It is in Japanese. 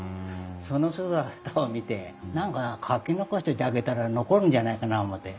その姿を見て何か描き残しといてあげたら残るんじゃないかな思て。